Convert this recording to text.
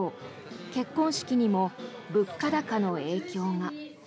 結婚式にも物価高の影響が。